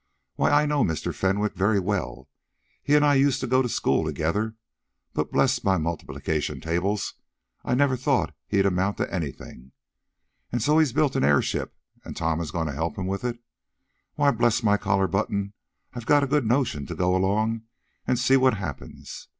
Why I know Mr. Fenwick very well he and I used to go to school together, but bless my multiplication tables I never thought he'd amount to anything! And so he's built an airship; and Tom is going to help him with it? Why, bless my collar button, I've a good notion to go along and see what happens.